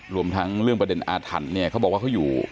รวมทั้งเรื่องประเด็นอาถรรพ์เนี่ยเขาบอกว่าเขาอยู่